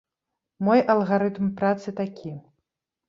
Мой алгарытм працы такі.